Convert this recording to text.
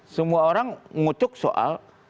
semua orang ngucuk soal